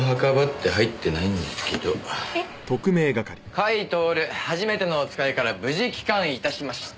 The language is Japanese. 甲斐享初めてのおつかいから無事帰還致しました。